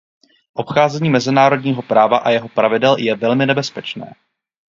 Obcházení mezinárodního práva a jeho pravidel je velmi nebezpečné.